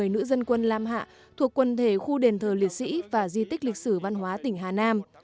một mươi nữ dân quân lam hạ thuộc quân thể khu đền thờ liệt sĩ và di tích lịch sử văn hóa tỉnh hà nam